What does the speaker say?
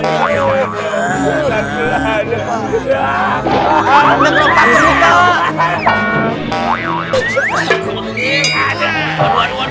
ini kalo gak ada yang masuk gak ada yang mau keluar